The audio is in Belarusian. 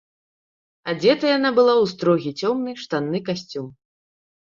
Адзетая яна была ў строгі цёмны штанны касцюм.